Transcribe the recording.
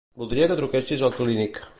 Voldria que truquessis al Clínic.